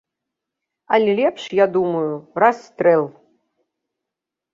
Але лепш, я думаю, расстрэл!